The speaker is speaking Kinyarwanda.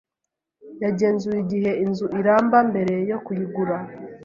Yagenzuye igihe inzu iramba mbere yo kuyigura.